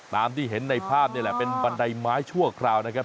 ตามที่เห็นในภาพนี่แหละเป็นบันไดไม้ชั่วคราวนะครับ